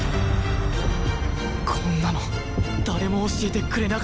こんなの誰も教えてくれなかった